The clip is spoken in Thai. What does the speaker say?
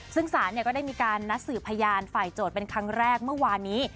ซึ่งศาลก็ได้มีการนัดสืบพยานฝ่ายโจทย์เป็นครั้งแรกเมื่อวานนี้